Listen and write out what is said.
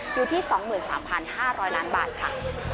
อยู่ที่๒๓๕๐๐ล้านบาทค่ะ